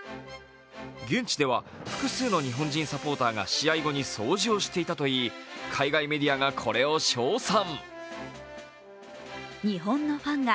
現地では複数の日本人サポーターが試合後に掃除をしていたといい海外メディアがこれを称賛。